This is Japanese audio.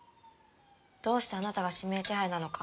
どうしてあなたが指名手配なのか。